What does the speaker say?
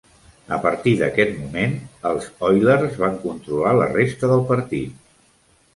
A partir d'aquest moment, els Oilers van controlar la resta del partit.